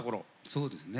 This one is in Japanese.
そうですね。